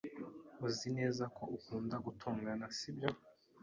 Uzi neza ko ukunda gutongana, sibyo?